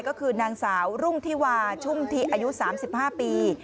ก็คือนางสาวรุ่งธิวาชุ่มทิอายุ๓๕ปี